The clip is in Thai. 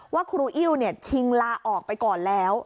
ว่าครูอิ้วชิงลาออกไปก่อนแล้ว